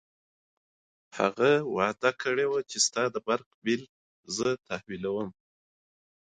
هغه ژمنه کړې وه تحویل یې نه کړې.